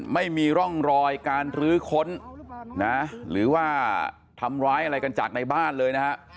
ไม่มีร่องรอยการรื้อค้นนะหรือว่าทำร้ายอะไรกันจากในบ้านเลยนะฮะ